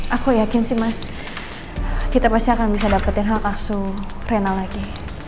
aku yakin sih mas kita pasti akan bisa dapetin hak langsung renal lagi